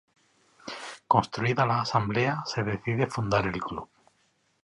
Constituida la asamblea se decide fundar el club.